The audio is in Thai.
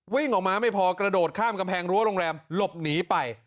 วิ่งออกมาไม่พอกระโดดข้ามกำแพงรั้วโรงแรมหลบหนีไป